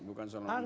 bukan soal manfaat